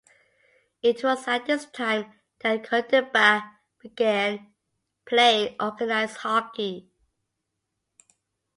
It was at this time that Kurtenbach began playing organized hockey.